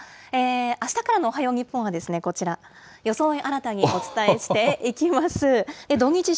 あしたからのおはよう日本は、こちら、装い新たにお伝えしていきます。